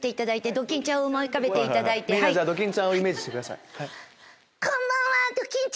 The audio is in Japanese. ドキンちゃんをイメージしてください。